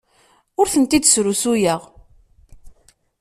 Ur tent-id-srusuyeɣ.